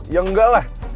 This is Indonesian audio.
ya enggak lah